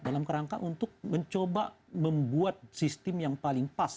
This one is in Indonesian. dalam kerangka untuk mencoba membuat sistem yang paling pas